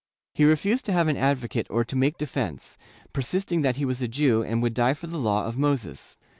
He refused to have an advocate or to make defence, persisting that he was a Jew and would die for the Law of Moses.